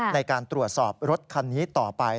ในการตรวจสอบรถคันนี้ต่อไป